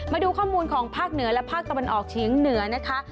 มาดูข้อมูลของภาคเหนือและภาคตะวันออกเฉียงเหนือนะคะ